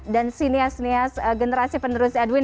dan sinias sinias generasi penerus edwin